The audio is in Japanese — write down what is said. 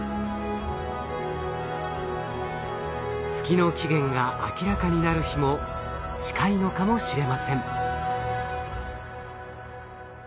月の起源が明らかになる日も近いのかもしれません。